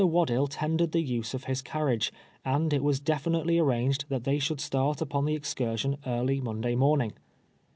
AYaddill tendered the use of his carriage, and it was definitely arranged tliat they should start upon the excursion early Monday morning.